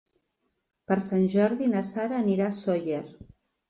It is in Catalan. Per Sant Jordi na Sara anirà a Sóller.